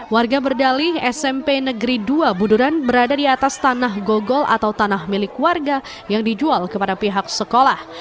warga berdalih smp negeri dua buduran berada di atas tanah gogol atau tanah milik warga yang dijual kepada pihak sekolah